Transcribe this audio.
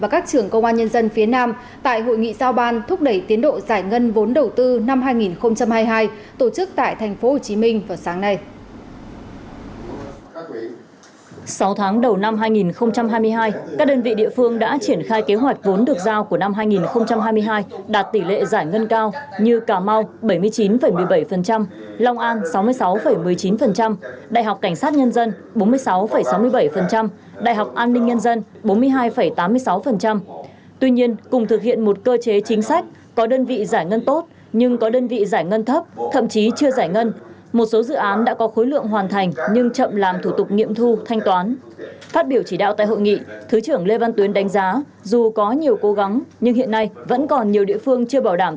và các trưởng công an nhân dân phía nam tại hội nghị giao ban thúc đẩy tiến độ giải ngân vốn đầu tư năm hai nghìn hai mươi hai